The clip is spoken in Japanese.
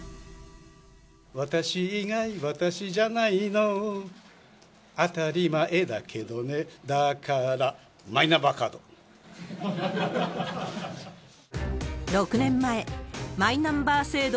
私以外、私じゃないの、当たり前だけどね、だーかーら、マイナンバーカード。